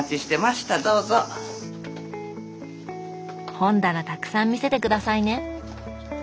本棚たくさん見せて下さいね！